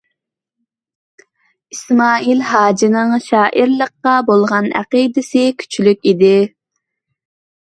ئىسمائىل ھاجىنىڭ شائىرلىققا بولغان ئەقىدىسى كۈچلۈك ئىدى.